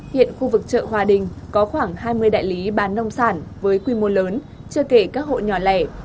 hiện khu vực chợ hòa đình có khoảng hai mươi đại lý bán nông sản với quy mô lớn chưa kể các hộ nhỏ lẻ